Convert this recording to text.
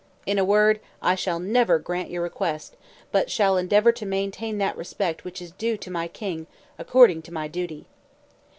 In a word, I shall never grant your request, but shall endeavour to maintain that respect which is due to my king, according to my duty."